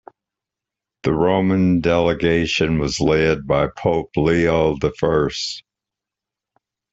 The Roman delegation was led by Pope Leo I.